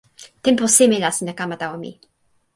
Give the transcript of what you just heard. tenpo seme la sina kama tawa mi?